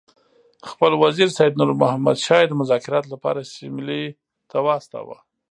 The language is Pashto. خپل وزیر سید نور محمد شاه یې د مذاکراتو لپاره سیملې ته واستاوه.